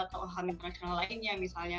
atau hal hal internasional lainnya misalnya